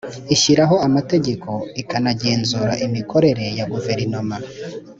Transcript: Ishyiraho amategeko ikanagenzura imikorere ya Guverinoma